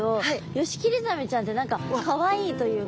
ヨシキリザメちゃんって何かかわいいというか。